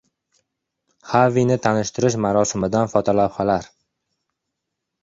Xavini tanishtirish marosimidan fotolavhalar